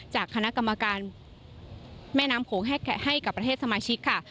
จากคณะกรรมการแม่น้ำโขงให้กับประเทศสมาชิกค่ะ